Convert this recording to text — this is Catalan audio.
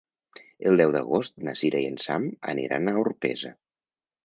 El deu d'agost na Sira i en Sam aniran a Orpesa.